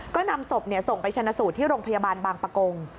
ก็นำศพส่งไปชนะสูตรที่โรงพยาบาลบางปะกง